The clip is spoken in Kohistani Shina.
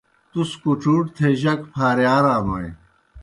تُس کُڇُوٹ تھے جک پھارِیارانوئے۔